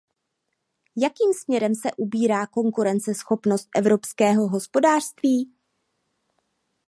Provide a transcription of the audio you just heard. Jakým směrem se ubírá konkurenceschopnost evropského hospodářství?